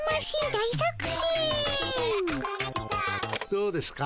どうですか？